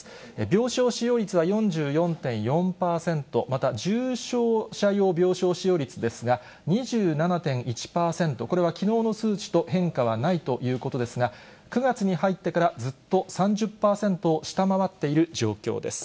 病床使用率は４４．４％、また重症者用病床使用率ですが、２７．１％、これはきのうの数値と変化はないということですが、９月に入ってからずっと３０％を下回っている状況です。